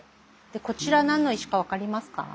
こちら何の石か分かりますか？